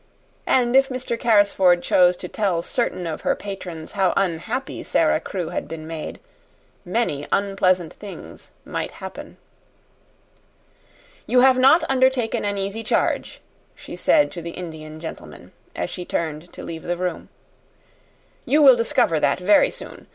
And if Mr. Carrisford chose to tell certain of her patrons how unhappy Sara Crewe had been made, many unpleasant things might happen. "You have not undertaken an easy charge," she said to the Indian gentleman, as she turned to leave the room; "you will discover that very soon.